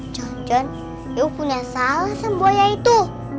jangan jangan ibu punya salah sama buaya itu